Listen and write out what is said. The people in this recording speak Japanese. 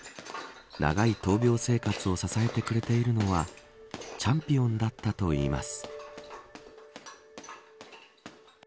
長い闘病生活を支えてくれているのはチャンピオンだったといいます。